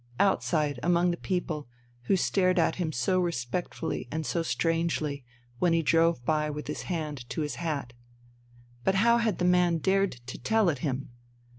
Outside among the people who stared at him so respectfully and so strangely, when he drove by with his hand to his hat ...? But how had the man dared to tell it him?